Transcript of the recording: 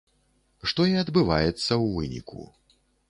Што і адбываецца ў выніку.